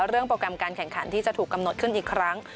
โปรแกรมการแข่งขันที่จะถูกกำหนดขึ้นอีกครั้ง